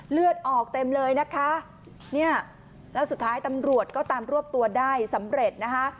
เลือดออกเต็มเลยนะคะเนี่ยแล้วสุดท้ายตำรวจก็ตามรวบตัวได้สำเร็จนะคะ